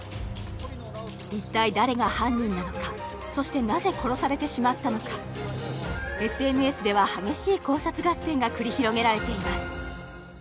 一体誰が犯人なのかそしてなぜ殺されてしまったのかＳＮＳでは激しい考察合戦が繰り広げられています